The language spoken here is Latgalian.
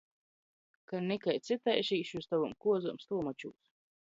Ka nikai cytaiž, īšu iz tovom kuozom stuomačūs!